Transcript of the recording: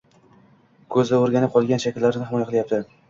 ko‘zi o‘rganib qolgan shakllarni himoya qilayapti